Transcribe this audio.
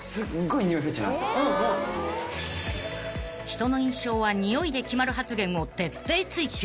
［人の印象はにおいで決まる発言を徹底追究］